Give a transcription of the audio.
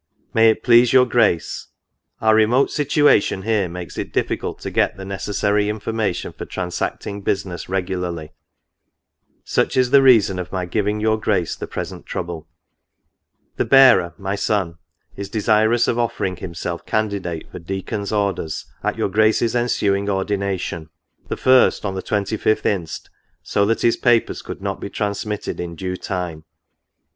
55 " May it please your Grace, « Our remote situation here makes it difficult to get the necessary information for transacting business regularly : such is the reason of my giving your Grace the present trouble. " The bearer (my son) is desirous of offering himself candi date for deacon's orders, at your Grace's ensuing ordination ; the first, on the 25th inst. so that his papers could not be transmitted in due time.